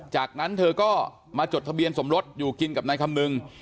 จากนั้นเธอก็มาจดทะเบียนสมรสอยู่กินกับนายคำนึง